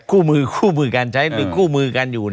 คู่มือการใช้หรือคู่มือการอยู่